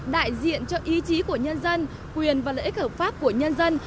đại diện cho ý chí của nhân dân quyền và lợi ích hợp pháp của nhân dân